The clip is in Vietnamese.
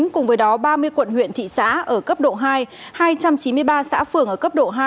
cùng với đó ba mươi quận huyện thị xã ở cấp độ hai hai trăm chín mươi ba xã phường ở cấp độ hai